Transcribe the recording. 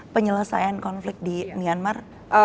penyelesaian konflik di myanmar